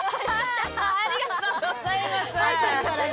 ありがとうございます。